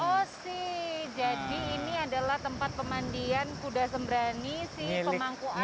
oh sih jadi ini adalah tempat pemandian kuda sembrani si pemangku aja